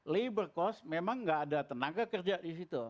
labor cost memang nggak ada tenaga kerja di situ